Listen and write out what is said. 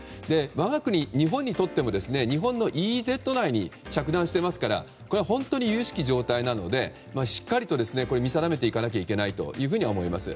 我が国、日本にとっても日本のＥＥＺ内に着弾していますからこれは本当に由々しき状態なのでしっかりと見定めていかなければいけないと思います。